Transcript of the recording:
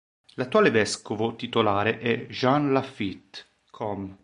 L'attuale vescovo titolare è Jean Laffitte, Comm.